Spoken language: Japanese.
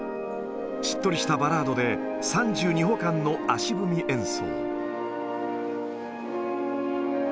しっとりしたバラードで、３２歩間の足踏み演奏。